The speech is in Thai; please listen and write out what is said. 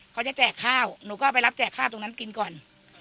แจกข้าวหนูก็ไปรับแจกข้าวตรงนั้นกินก่อน